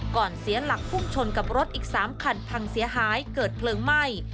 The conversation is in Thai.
เสียหลักพุ่งชนกับรถอีก๓คันพังเสียหายเกิดเพลิงไหม้